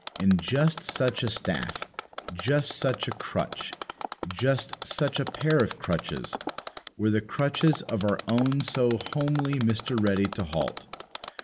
And just such a staff, just such a crutch, just such a pair of crutches, were the crutches of our own so homely Mr. Ready to halt.